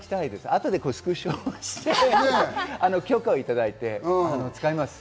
あとでスクショして許可をいただいて使います。